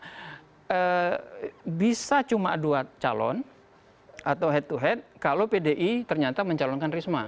jadi bisa cuma dua calon atau head to head kalau pdi ternyata menjalankan risma